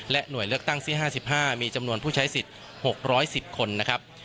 และหน่วยเลือกตั้งสี่ห้าสิบห้ามีจำนวนผู้ใช้สิทธิ์หกร้อยสิบคนนะครับ